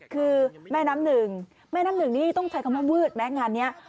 คือแม่น้ำหนึ่งแม่น้ำหนึ่งนี่ต้องใช้คำว่าวืดไหมงานนี้